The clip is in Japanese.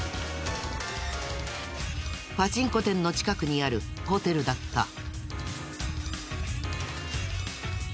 パチンコ店の近くにあるホテルだった。